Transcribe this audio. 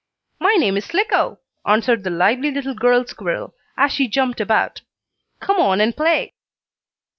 "My name is Slicko," answered the lively little girl squirrel, as she jumped about. "Come on and play!"